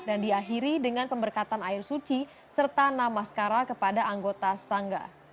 dan diakhiri dengan pemberkatan air suci serta namaskara kepada anggota sangga